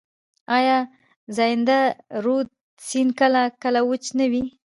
آیا زاینده رود سیند کله کله وچ نه وي؟